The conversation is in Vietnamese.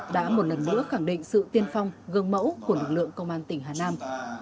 đã một lần nữa khẳng định sự tiên phong gương mẫu của lực lượng công an tỉnh hà nam